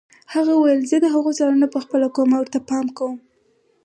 هغه وویل زه د هغو څارنه پخپله کوم او ورته پام کوم.